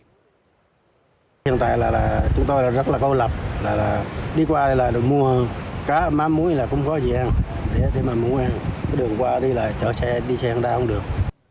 hiện tại là chúng tôi rất là cô lập đi qua đây là mua cá mắm muối là cũng có gì ăn để thế mà mua ăn đường qua đi là chở xe đi xe không đa không được